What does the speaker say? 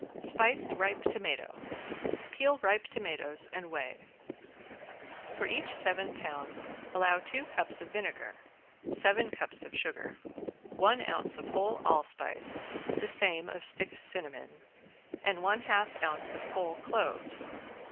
~SPICED RIPE TOMATO~ Peel ripe tomatoes and weigh. For each seven pounds allow two cups of vinegar, seven cups of sugar, one ounce of whole allspice, the same of stick cinnamon and one half ounce of whole cloves.